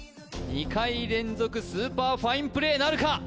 ２回連続スーパーファインプレーなるか？